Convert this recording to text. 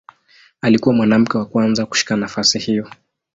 Alikuwa mwanamke wa kwanza kushika nafasi hiyo.